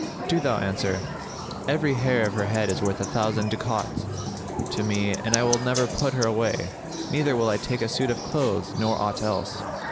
do thou answer, 'Every hair of her head is worth a thousand ducats to me and I will never put her away, neither will I take a suit of clothes nor aught else.'